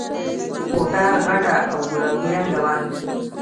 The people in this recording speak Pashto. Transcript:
کوټه غټه او گلابي رنګه وه.